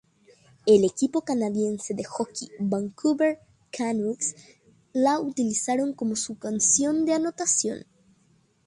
El equipo canadiense de hockey Vancouver_Canucks la utilizaron como su canción de anotación.